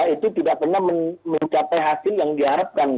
itu tidak pernah mencapai hasil yang diharapkan